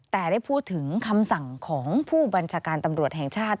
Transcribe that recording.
แต่ได้พูดถึงคำสั่งของผู้บัญชาการตำรวจแห่งชาติ